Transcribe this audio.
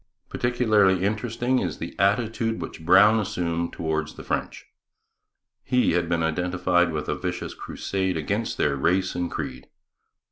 Particularly interesting is the attitude which Brown assumed towards the French. He had been identified with a vicious crusade against their race and creed.